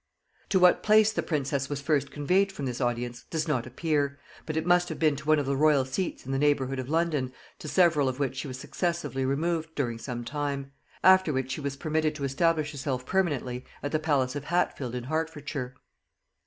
To what place the princess was first conveyed from this audience does not appear, but it must have been to one of the royal seats in the neighbourhood of London, to several of which she was successively removed during some time; after which she was permitted to establish herself permanently at the palace of Hatfield in Hertfordshire.